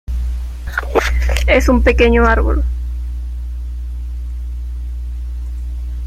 Es un pequeño árbol.